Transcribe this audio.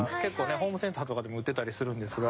ホームセンターとかでも売ってたりするんですが。